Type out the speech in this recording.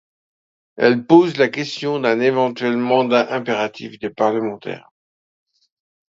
Elle pose la question d'un éventuel mandat impératif des parlementaires.